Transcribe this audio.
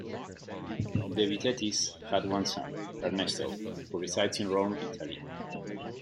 The Vitettis had one son, Ernesto, who resides in Rome, Italy.